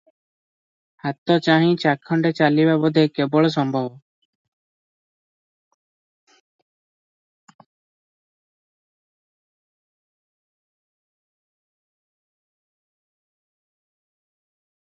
ହାତଚାହିଁ ଚାଖଣ୍ଡେ ଚାଲିବା ବୋଧେ କେବଳ ସମ୍ଭବ ।